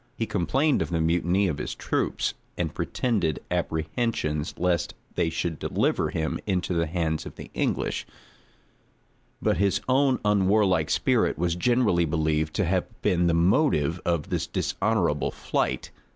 He complained of the mutiny of his troops, and pretended apprehensions lest they should deliver him into the hands of the English; but his own unwarlike spirit was generally believed to have been the motive of this dishonorable flight.